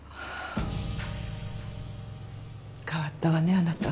変わったわねあなた。